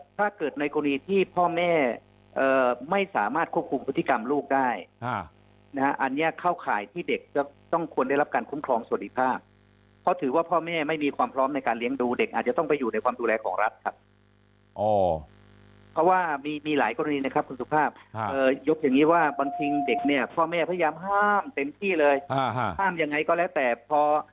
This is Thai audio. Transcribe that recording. ถ้าเกิดในกรณีที่พ่อแม่ไม่สามารถควบคุมพฤติกรรมลูกได้นะฮะอันนี้เข้าข่ายที่เด็กจะต้องควรได้รับการคุ้มครองสวัสดิภาพเพราะถือว่าพ่อแม่ไม่มีความพร้อมในการเลี้ยงดูเด็กอาจจะต้องไปอยู่ในความดูแลของรัฐครับเพราะว่ามีหลายกรณีนะครับคุณสุภาพยกอย่างนี้ว่าบางทีเด็กเนี่ยพ่อแม่พยายามห้ามเต็มที่เลยห้ามยังไงก็แล้วแต่พอ